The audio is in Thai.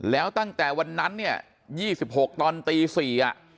แล้วตั้งแต่วันนั้นเนี่ย๒๖ตอนตี๔อ่ะ